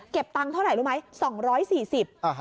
ตังค์เท่าไหร่รู้ไหม๒๔๐บาท